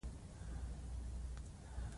د اسلامي نظام بايد د سر په بيه وساتل شي